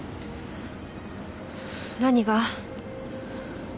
何が？